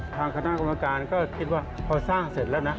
ทางคณะกรรมการก็คิดว่าพอสร้างเสร็จแล้วนะ